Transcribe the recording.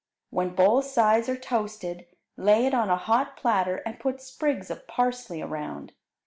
When both sides are toasted, lay it on a hot platter and put sprigs of parsley around.